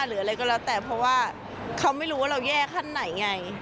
หรืออะไรก็แล้วแต่เพราะว่าเขาไม่รู้ว่าเราแย่ขั้นไหนไง